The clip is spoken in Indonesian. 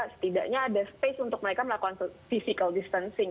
setidaknya ada space untuk mereka melakukan physical distancing